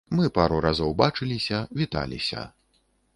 Мы пару разоў бачыліся, віталіся.